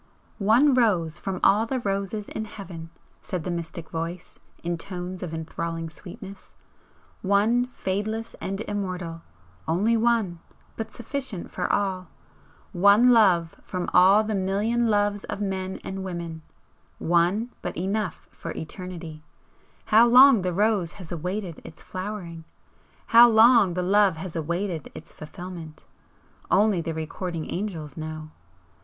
"One rose from all the roses in Heaven!" said the mystic Voice, in tones of enthralling sweetness "One fadeless and immortal! only one, but sufficient for all! One love from all the million loves of men and women one, but enough for Eternity! How long the rose has awaited its flowering, how long the love has awaited its fulfilment only the recording angels know!